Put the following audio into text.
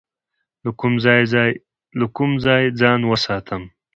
له کوم ځای ځان وساتم؟